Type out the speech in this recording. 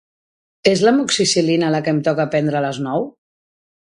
És l'amoxicil·lina la que em toca prendre a les nou?